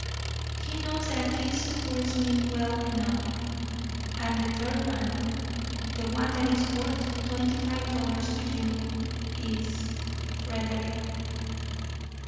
He knows what these two words mean well enough, and the third one, the one that is worth twenty five dollars to you, is FREDERICK."